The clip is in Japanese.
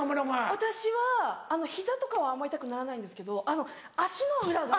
私は膝とかはあんま痛くならないんですけど足の裏が。